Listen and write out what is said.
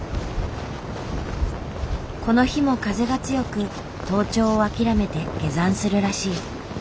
この日も風が強く登頂を諦めて下山するらしい。